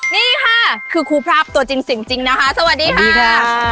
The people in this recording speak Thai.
นี่ค่ะคือครูพราบตัวจริงสิ่งจริงนะคะสวัสดีค่ะ